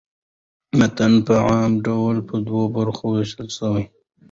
متن په عام ډول پر دوو برخو وېشل سوی.